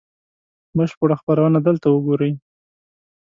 بشپړه خپرونه دلته وګورئ